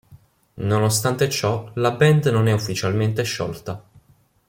Nonostante ciò la band non è ufficialmente sciolta.